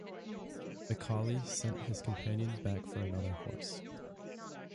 McCawley sent his companion back for another horse.